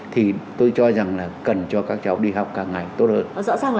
thì tôi cho rằng là cần cho các cháu đi học càng ngày tốt hơn